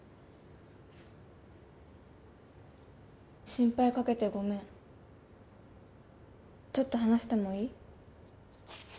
心配かけてごめんちょっと話してもいい？